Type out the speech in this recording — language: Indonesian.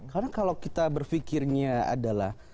karena kalau kita berpikirnya adalah